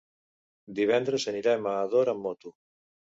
Divendres anirem a Ador amb moto.